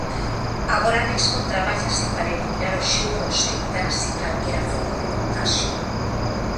Agora mesmo trabállase para eliminar os xurros e evitar así calquera foco de contaxio.